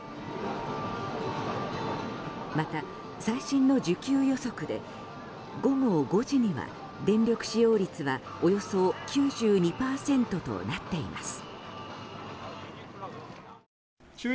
また、最新の需給予測で午後５時には電力使用率はおよそ９２％となっています。